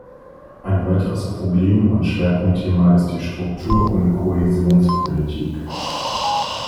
Ein weiteres Problem und Schwerpunktthema ist die Strukturund Kohäsionspolitik.